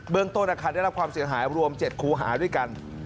ต้นอาคารได้รับความเสียหายรวม๗คูหาด้วยกัน